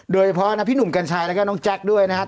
โดยเฉพาะนะพี่หนุ่มกัญชัยแล้วก็น้องแจ๊คด้วยนะครับ